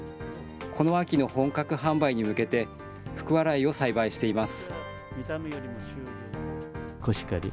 この秋の本格販売に向けて、福、笑いを栽培しています。